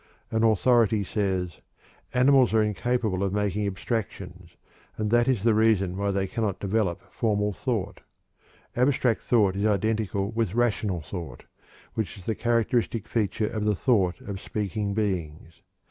An authority says: "Animals are incapable of making abstractions, and that is the reason why they cannot develop formal thought. Abstract thought is identical with rational thought, which is the characteristic feature of the thought of speaking beings.